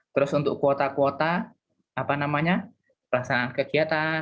terus untuk kuota kuota apa namanya pelaksanaan kegiatan